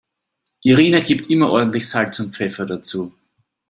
Irina gibt immer ordentlich Salz und Pfeffer dazu.